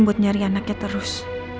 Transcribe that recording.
buat nyari anaknya terus